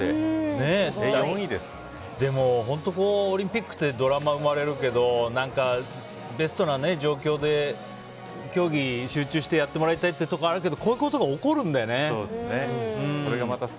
オリンピックってドラマ生まれるけどベストな状況で競技に集中してやってもらいたいっていうところあるけどこういうことが起こるんだよね。